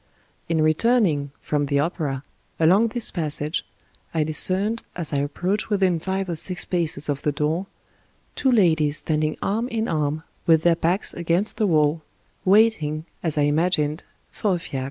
In returning [from the opera] along this passage, I dis cerned, as I approached within five or six paces of the door, two ladies standing arm in arm with their backs against the wall, waiting, as I imagined, for a fiacre.